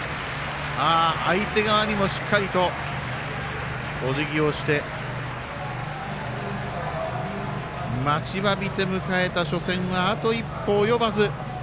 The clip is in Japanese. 相手側にもしっかりとおじぎをして待ちわびて迎えた初戦はあと一歩及ばず。